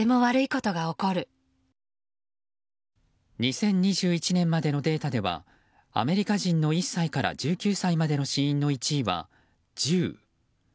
２０２１年までのデータではアメリカ人の１歳から１９歳までの死因の１位は銃。